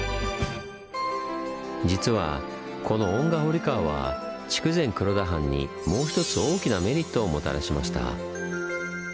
実はこの遠賀堀川は筑前黒田藩にもうひとつ大きなメリットをもたらしました。